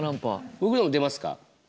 僕のも出ますか？